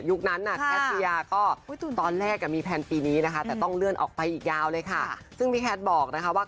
ยุคนั้นน่ะแคสเตียร์ก็ตอนแรกมีแฟนปีนี้นะคะแต่ต้องเลื่อนออกไปอีกยาวเลยค่ะซึ่งพี่แคสบอกนะคะว่า